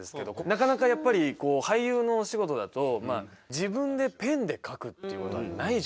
なかなかやっぱり俳優のお仕事だと自分でペンで描くっていうことはないじゃないですか。